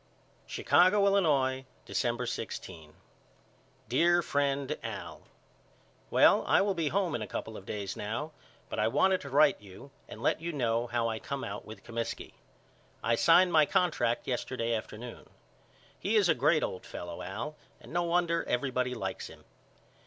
Chicago, Illinois, December 16. DEAR FRIEND AL: Well I will be home in a couple of days now but I wanted to write you and let you know how I come out with Comiskey. I signed my contract yesterday afternoon. He is a great old fellow Al and no wonder everybody likes him.